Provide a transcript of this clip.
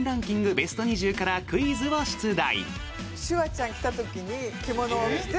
ベスト２０からクイズを出題。